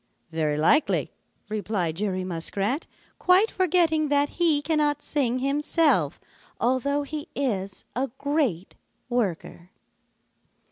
"Very likely," replied Jerry Muskrat, quite forgetting that he cannot sing himself although he is a great worker.